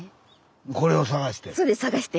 これを探して？